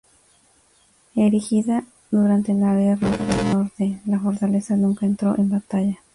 Erigida durante la Guerra del Norte, la fortaleza nunca entró en batalla.